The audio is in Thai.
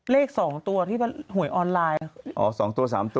เลข๒ตัวที่หวยออนไลน์อ๋อ๒ตัว๓ตัว